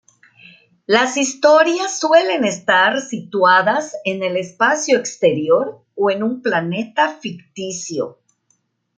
Las historias suelen estar situadas en el espacio exterior o en un planeta ficticio.